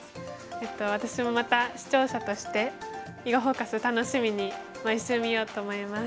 私もまた視聴者として「囲碁フォーカス」楽しみに毎週見ようと思います。